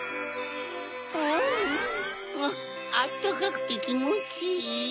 うぅあったかくてきもちいい。